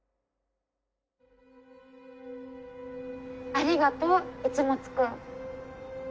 ありがとう市松君。